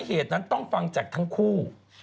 เหตุนั้นต้องฟังจากทั้งคู่